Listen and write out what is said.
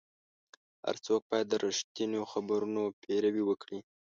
هر څوک باید د رښتینو خبرونو پیروي وکړي.